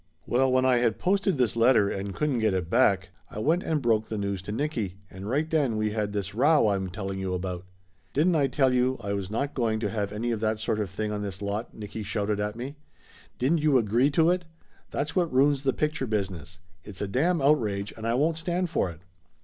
Well, when I had posted this letter and couldn't get it back, I went and broke the news to Nicky, and right then we had this row I am telling you about "Didn't I tell you I was not going to have any of that sort of thing on this lot?" Nicky shouted at me. "Didn't you agree to it? That's what ruins the picture business. It's a damn outrage, and I won't stand for it!"